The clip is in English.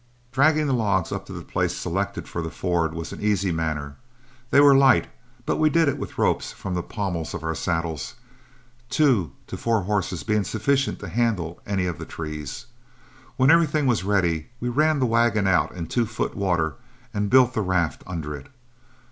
'" Dragging the logs up to the place selected for the ford was an easy matter. They were light, and we did it with ropes from the pommels of our saddles, two to four horses being sufficient to handle any of the trees. When everything was ready, we ran the wagon out into two foot water and built the raft under it.